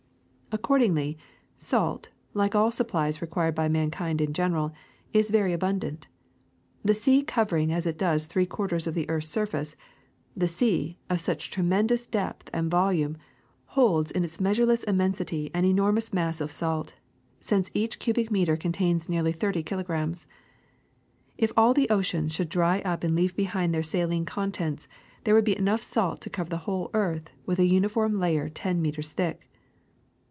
'^Accordingly, salt, like all supplies required by mankind in general, is very abundant. The sea, covering as it does three quarters of the earth *s sur face, the sea, of such tremendous depth and volume, holds in its measureless immensity an enormous mass of salt, since each cubic meter contains nearly thirty kilograms. If all the oceans should dry up and leave behind their saline contents, there would be enough salt to cover the whole earth with a uni form layer ten meters thick.